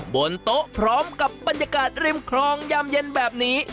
บนโต๊ะพร้อมกับบรรยากาศริมคลองยามเย็นแบบนี้